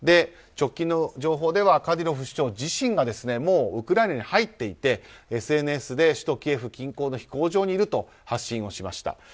直近の情報ではカディロフ首長自身がもうウクライナに入っていてＳＮＳで首都キエフ近郊の飛行場にいると発信をしました。